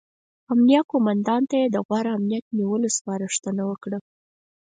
امنیه قوماندان ته یې د غوره امنیت نیولو سپارښتنه وکړه.